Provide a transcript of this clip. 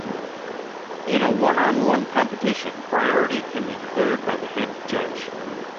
In a one-on-one competition, priority can be declared by the Head Judge.